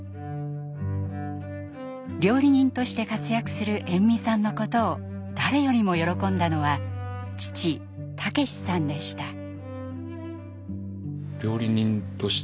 料理人として活躍する延味さんのことを誰よりも喜んだのは父武さんでした。